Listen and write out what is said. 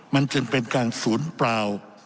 มันจึงเป็นการศูนย์เปล่า